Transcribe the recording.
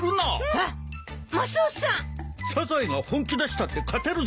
サザエが本気出したって勝てるぞ。